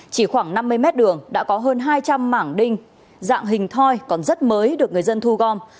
chỉ khoảng năm mươi mét đường đã có hơn hai trăm linh mảng đinh dạng hình thoi còn rất mới được người dân thu gom